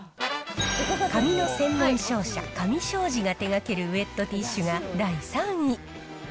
紙の専門商社、カミ商事が手がけるウエットティッシュが第３位。